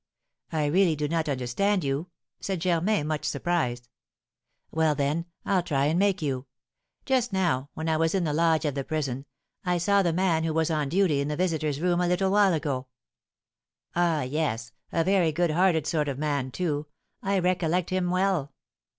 "I really do not understand you," said Germain, much surprised. "Well, then, I'll try and make you. Just now, when I was in the lodge of the prison, I saw the man who was on duty in the visitors' room a little while ago." "Ah, yes, a very good hearted sort of man, too. I recollect him well."